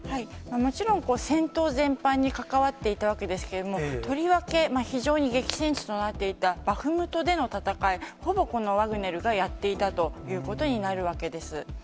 もちろん、戦闘全般に関わっていたわけですけれども、とりわけ非常に激戦地となっていたバフムトでの戦い、ほぼこのワグネルがやっていたということになるわけです。